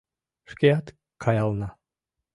Шкеат каялна